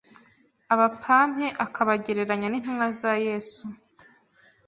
Abapampe’ akabagereranya n’intumwa za Yesu.